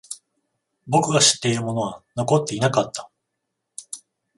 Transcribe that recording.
僕が知っているものは残っていなかった。